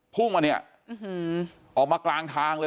พุ่งมาเนี่ยออกมากลางทางเลย